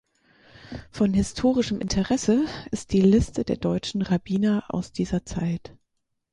Von historischem Interesse ist die Liste der deutschen Rabbiner aus dieser Zeit.